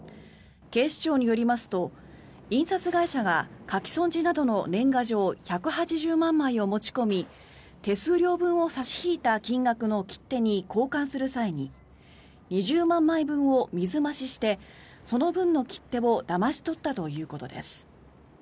警視庁によりますと印刷会社が書き損じなどの年賀状１８０万枚を持ち込み手数料分を差し引いた金額の切手に交換する際に２０万枚分を水増ししてその分の切手をだまし取ったということです。